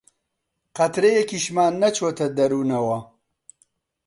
قەترەیەکیشمان نەچۆتە دەروونەوە